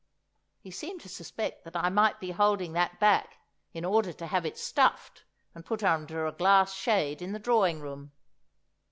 He seemed to suspect that I might be holding that back in order to have it stuffed and put under a glass shade in the drawing room.